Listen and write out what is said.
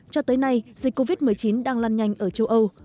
cho tới nay dịch covid một mươi chín đang lan nhanh ở châu âu